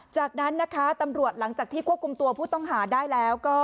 จากนั้นนะคะตำรวจหลังจากที่ควบคุมตัวผู้ต้องหาได้แล้วก็